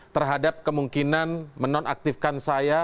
terhadap kemungkinan menonaktifkan saya